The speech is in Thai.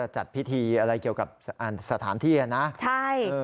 จัดพิธีอะไรเกี่ยวกับสถานที่นะใช่